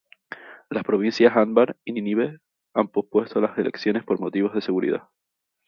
Las provincias Anbar y Nínive han pospuesto las elecciones por motivos de seguridad.